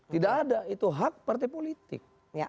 tidak ada itu hak partai politik